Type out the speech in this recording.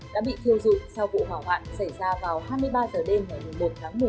đã bị thiêu dụi sau vụ hỏa hoạn xảy ra vào hai mươi ba h đêm ngày một tháng một mươi một